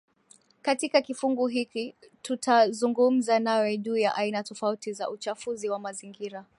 Katika kifungu hiki tutazungumza nawe juu ya aina tofauti za uchafuzi wa mazingira